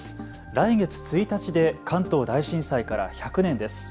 来月１日で関東大震災から１００年です。